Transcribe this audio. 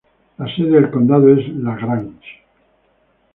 La sede del condado es LaGrange.